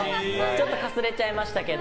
ちょっとかすれちゃいましたけど。